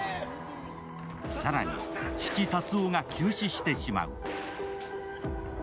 更に父・達雄が急死してしまう。